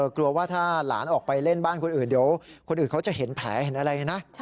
กลัวว่าถ้าหลานออกไปเล่นบ้านคนอื่นเดี๋ยวคนอื่นเขาจะเห็นแผลเห็นอะไรนะ